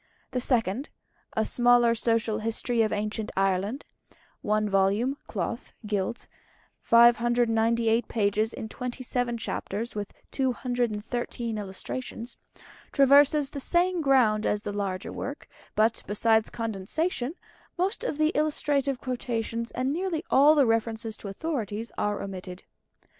The Second "A Smaller Social History of Ancient Ireland" (1 vol., cloth, gilt, 598 pages, in 27 chapters, with 213 Illustrations) traverses the same ground as the larger work; but, besides condensation, most of the illustrative quotations and nearly all the references to authorities are omitted.